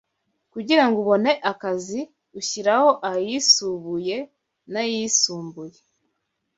kugirango ubone akzi ushyiraho nayisubuye nayisumbuye